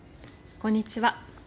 こんにちは。